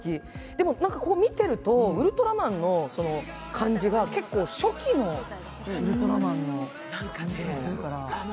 でも見てると、ウルトラマンの感じが初期のウルトラマンの感じがするから。